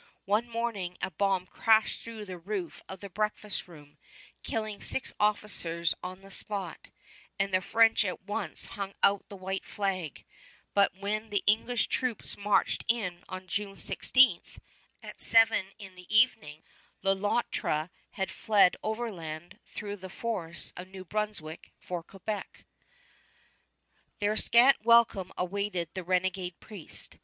One morning a bomb crashed through the roof of the breakfast room, killing six officers on the spot; and the French at once hung out the white flag; but when the English troops marched in on June 16, at seven in the evening, Le Loutre had fled overland through the forests of New Brunswick for Quebec. There scant welcome awaited the renegade priest.